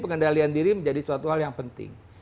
pengendalian diri menjadi suatu hal yang penting